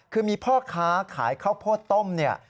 คือมีพ่อค้าขายข้าวโพดต้มเนี่ย